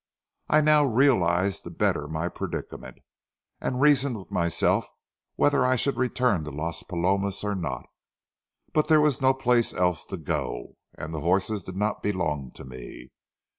I now realized the better my predicament, and reasoned with myself whether I should return to Las Palomas or not. But there was no place else to go, and the horses did not belong to me.